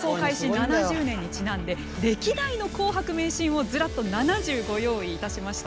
７０年にちなんで歴代の「紅白」名シーンをズラッと７０ご用意しました。